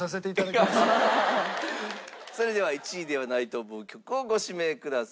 それでは１位ではないと思う曲をご指名ください。